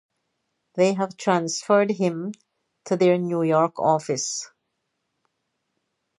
They have transferred him to their New York office.